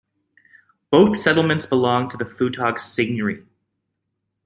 Both settlements belonged to the Futog seigniory.